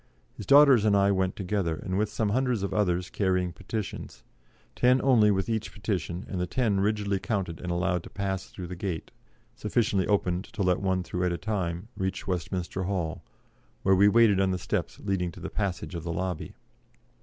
His daughters and I went together, and with some hundreds of others carrying petitions ten only with each petition, and the ten rigidly counted and allowed to pass through the gate, sufficiently opened to let one through at a time reached Westminster Hall, where we waited on the steps leading to the passage of the lobby.